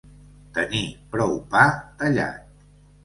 Tenir prou pa tallat.